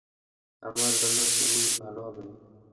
আমার জন্য তুমিই ভালো হবে।